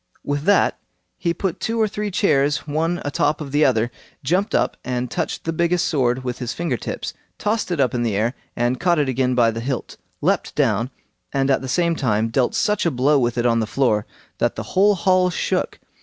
With that he put two or three chairs one a top of the other, jumped up, and touched the biggest sword with his finger tips, tossed it up in the air, and caught it again by the hilt; leapt down, and at the same time dealt such a blow with it on the floor that the whole hall shook.